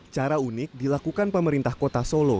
cara unik dilakukan pemerintah kota solo